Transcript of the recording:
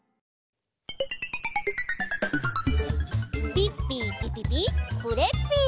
ピッピーピピピクレッピー！